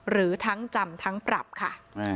หรือทั้งจำทั้งปรับค่ะ